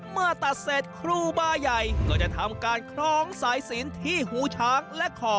เมื่อตัดเสร็จครูบาใหญ่ก็จะทำการคล้องสายศีลที่หูช้างและคอ